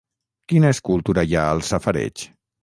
Quina escultura hi ha al safareig?